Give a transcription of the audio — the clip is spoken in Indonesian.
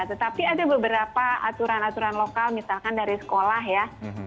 tetapi ada beberapa aturan aturan lokal misalkan dari sekolah ya